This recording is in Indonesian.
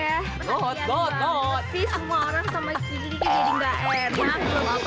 berhati hati banget sih semua orang sama kiki jadi gak enak